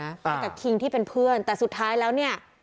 คิงที่เป็นสามีเก่านะกับคิงที่เป็นเพื่อนแต่สุดท้ายแล้วเนี่ย